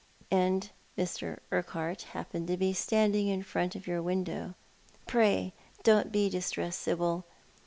and Mr. Urquhart happened to be standing in front of your window. Pray don't be distressed, Sibyl.